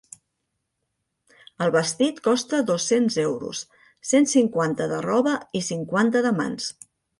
El vestit costa dos-cents euros: cent cinquanta de roba i cinquanta de mans.